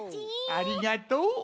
ありがとう。